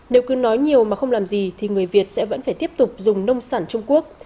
nếu cứ nói nhiều mà không làm gì thì người việt sẽ vẫn phải tiếp tục dùng nông sản trung quốc